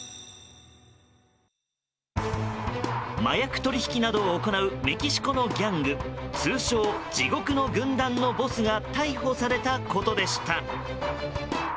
麻薬取引などを行うメキシコのギャング通称、地獄の軍団のボスが逮捕されたことでした。